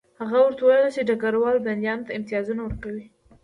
هغه ورته وویل چې ډګروال بندیانو ته امتیازونه ورکوي